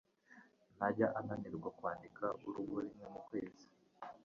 Ntajya ananirwa kwandika urugo rimwe mu kwezi.